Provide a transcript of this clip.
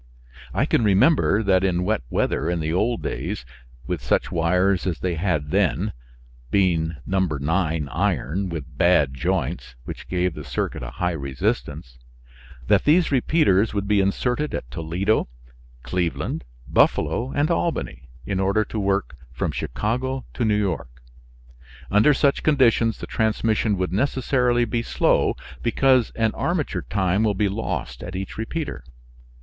I can remember that in wet weather in the old days, with such wires as they had then (being No. 9 iron with bad joints, which gave the circuit a high resistance) that these repeaters would be inserted at Toledo, Cleveland, Buffalo and Albany in order to work from Chicago to New York. Under such conditions the transmission would necessarily be slow, because an armature time will be lost at each repeater.